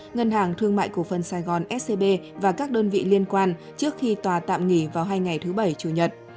ngân hàng thương mại cổ phân sài gòn scb và các đơn vị liên quan trước khi tòa tạm nghỉ vào hai ngày thứ bảy chủ nhật